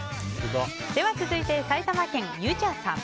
続いて、埼玉県の方。